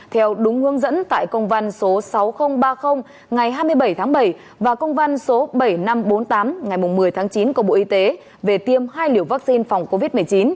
theo đúng hướng dẫn tại công văn số sáu nghìn ba mươi ngày hai mươi bảy tháng bảy và công văn số bảy nghìn năm trăm bốn mươi tám ngày một mươi tháng chín của bộ y tế về tiêm hai liều vaccine phòng covid một mươi chín